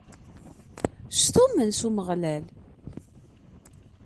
Stummen s Umeɣlal.